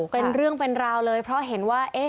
เป็นเรื่องเป็นราวเลยเพราะเห็นว่า